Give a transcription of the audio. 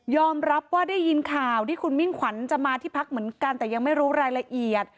รับว่าได้ยินข่าวที่คุณมิ่งขวัญจะมาที่พักเหมือนกันแต่ยังไม่รู้รายละเอียด